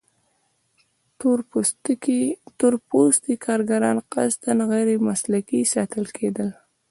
تور پوستي کارګران قصداً غیر مسلکي ساتل کېدل.